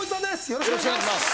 よろしくお願いします